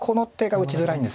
打ちづらいです。